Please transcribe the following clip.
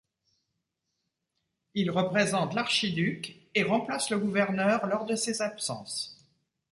Il représente l'Archiduc et remplace le Gouverneur lors de ses absences.